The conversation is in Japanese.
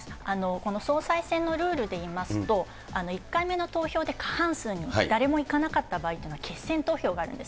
この総裁選のルールでいいますと、１回目の投票で過半数に誰もいかなかったという場合には決選投票があるんです。